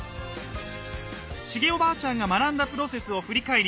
シゲおばあちゃんが学んだプロセスを振り返り